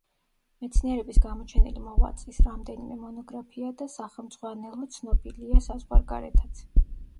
მეცნიერების გამოჩენილი მოღვაწის რამდენიმე მონოგრაფია და სახელმძღვანელო ცნობილია საზღვარგარეთაც.